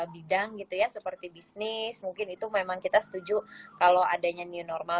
bidang gitu ya seperti bisnis mungkin itu memang kita setuju kalau adanya new normal